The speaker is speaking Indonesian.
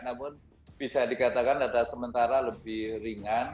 namun bisa dikatakan data sementara lebih ringan